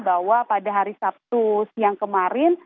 bahwa pada hari sabtu siang kemarin